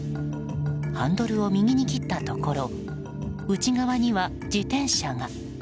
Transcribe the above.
ハンドルを右に切ったところ内側には自転車が。